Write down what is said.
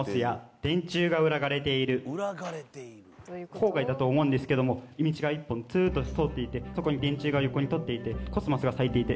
郊外だと思うんですけども道が一本ツっと通っていてそこに電柱が横に立っていてコスモスが咲いていて。